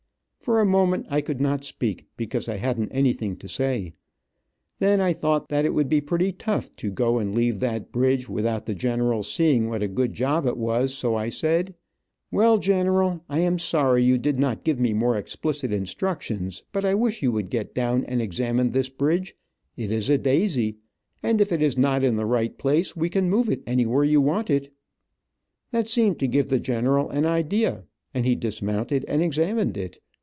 For a moment I could not speak, because I hadn't anything to say. Then I thought that it would be pretty tough to go off and leave that bridge without the general's seeing what a good job it was, so I said: "Well, general, I am sorry you did not give me more explicit instructions, but I wish you would get down and examine this bridge. It is a daisy, and if it is not in the right place we can move it anywhere you want it." That seemed to give the general an idea, and he dismounted and examined it.